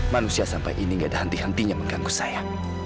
manusia sampai ini gak ada henti hentinya mengganggu saya